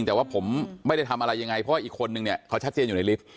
แต่ว่าผมไม่ได้ทำอะไรยังไงเพราะว่าอีกคนนึงเนี่ยเขาชัดเจนอยู่ในลิฟต์